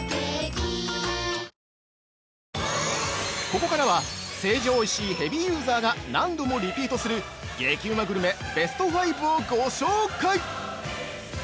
◆ここからは成城石井ヘビーユーザーが何度もリピートする激うまグルメベスト５をご紹介！